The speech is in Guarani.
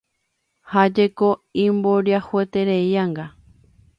Ha jeko imboriahutereíanga